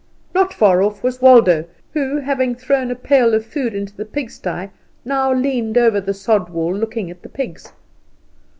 Not far off was Waldo, who, having thrown a pail of food into the pigsty, now leaned over the sod wall looking at the pigs.